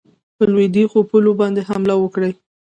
پر لوېدیخو پولو باندي حمله وکړي.